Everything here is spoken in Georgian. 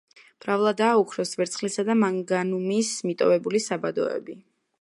მრავლადაა ოქროს, ვერცხლისა და მანგანუმის მიტოვებული საბადოები.